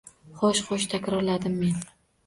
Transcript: Xoʻsh, xoʻsh, – takrorladim men.